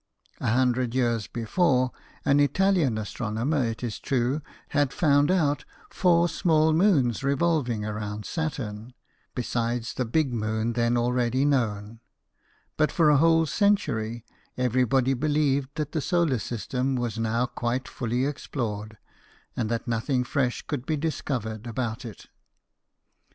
A hundred years before, an Italian astronomer, it is true, had found out four small moons revolving round Saturn, besides the big moon then already known ; but for a whole century, everybody believed that the solar system 'was now quite fully explored, and that no:hing fresh could be discovered about it.